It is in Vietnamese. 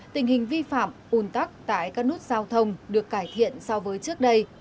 tình hình vi phạm un tắc tại các nút giao thông được cải thiện so với trước đây